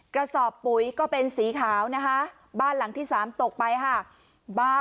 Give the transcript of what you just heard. กระสอบปุ๋ยก็เป็นสีขาวนะคะบ้านหลังที่๓ตกไปค่ะ